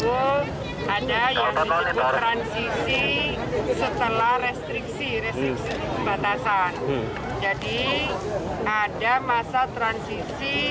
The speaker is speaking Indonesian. wu ada yang terlalu transisi setelah restriksi restriksi batasan jadi ada masa transisi